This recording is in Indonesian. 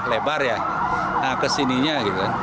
nah kesininya gitu kan